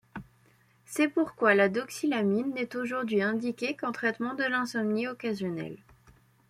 C'est pourquoi la doxylamine n'est aujourd'hui indiquée qu'en traitement de l'insomnie occasionnelle.